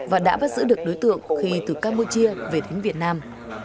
và đã bắt giữ được đối tượng khi từ campuchia về đến việt nam